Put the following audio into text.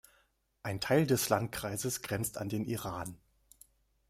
Ein Teil des Landkreises grenzt an den Iran.